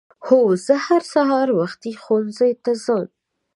هو زه هر سهار وختي ښؤونځي ته ځم.